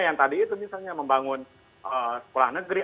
yang tadi itu misalnya membangun sekolah negeri